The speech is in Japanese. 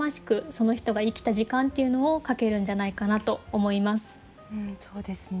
その人が生きた時間っていうのを描けるんじゃないかなと思います。